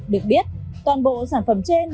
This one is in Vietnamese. được biết toàn bộ sản phẩm trên